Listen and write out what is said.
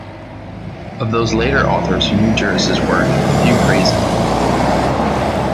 Of those later authors who knew Duris's work, few praise it.